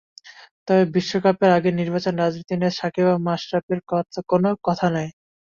তবে বিশ্বকাপের আগে নির্বাচন রাজনীতি নিয়ে সাকিব ও মাশরাফির কোনো কথা নেই।